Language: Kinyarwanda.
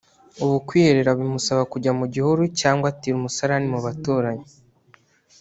ubu kwiherera bimusaba kujya mu gihuru cyangwa atira umusarani mu baturanyi